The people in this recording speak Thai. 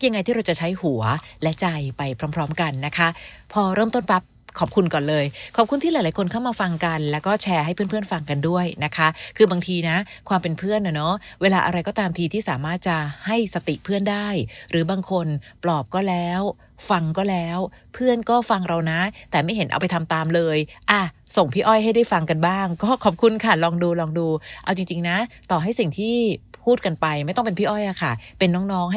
ยังไงที่เราจะใช้หัวและใจไปพร้อมกันนะคะพอเริ่มต้นปรับขอบคุณก่อนเลยขอบคุณที่หลายคนเข้ามาฟังกันแล้วก็แชร์ให้เพื่อนฟังกันด้วยนะคะคือบางทีนะความเป็นเพื่อนนะเนาะเวลาอะไรก็ตามทีที่สามารถจะให้สติเพื่อนได้หรือบางคนปลอบก็แล้วฟังก็แล้วเพื่อนก็ฟังเรานะแต่ไม่เห็นเอาไปทำตามเลยอ่ะส่งพี่อ้อยให้ได้ฟังกั